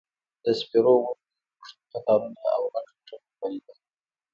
د سپیرو ونو اوږد قطارونه او غټ هوټلونه مو لیدل.